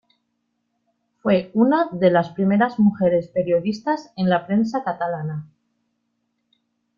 Fue una de les primeras mujeres periodistas en la prensa catalana.